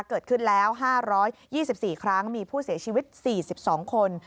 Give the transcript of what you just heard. เกิดขึ้นแล้ว๕๒๔ครั้งมีผู้เสียชีวิต๔๒คน